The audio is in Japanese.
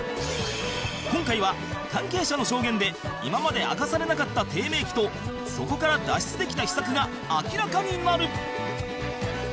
今回は関係者の証言で今まで明かされなかった低迷期とそこから脱出できた秘策が明らかになる！